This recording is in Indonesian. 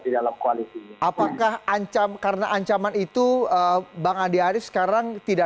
tidak mengganggu hubungan dengan semua pihak